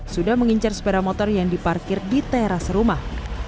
sudah mengincar sepeda motor yang diparkir di teras rumah